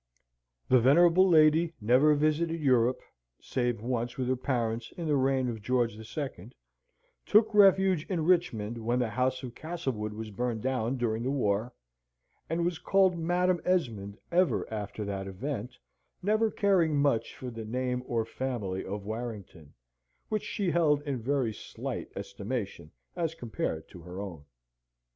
The venerable lady never visited Europe, save once with her parents in the reign of George the Second; took refuge in Richmond when the house of Castlewood was burned down during the war; and was called Madam Esmond ever after that event; never caring much for the name or family of Warrington, which she held in very slight estimation as compared to her own.